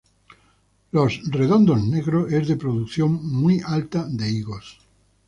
Los 'Redondos Negros' es de producción muy alta de higos.